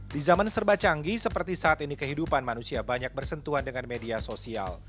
di zaman serba canggih seperti saat ini kehidupan manusia banyak bersentuhan dengan media sosial